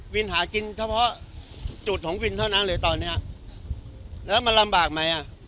หากินเฉพาะจุดของวินเท่านั้นเลยตอนเนี้ยแล้วมันลำบากไหมอ่ะ